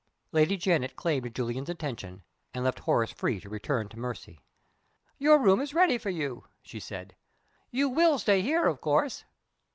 Lady Janet claimed Julian's attention, and left Horace free to return to Mercy. "Your room is ready for you," she said. "You will stay here, of course?"